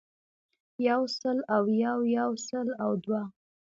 يو سل او يو يو سل او دوه